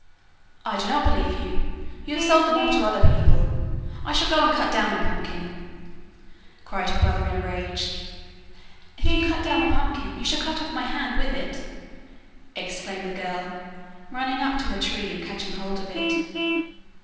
'I do not believe you; you have sold them all to other people. I shall go and cut down the pumpkin,' cried her brother in a rage. 'If you cut down the pumpkin you shall cut off my hand with it,' exclaimed the girl, running up to her tree and catching hold of it.